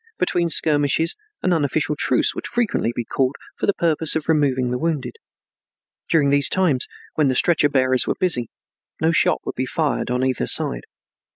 Between skirmishes an unofficial truce would frequently be called for the purpose of removing the wounded. During these times when the stretcher bearers were busy, no shot would be fired on either side.